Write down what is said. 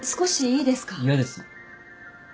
嫌です。